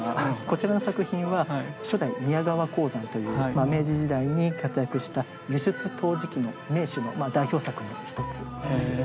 こちらの作品は初代宮川香山という明治時代に活躍した輸出陶磁器の名手の代表作の一つです。